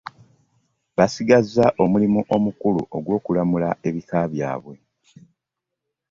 Basigaza omulimu omukulu ogw'okulamula ebika byabwe.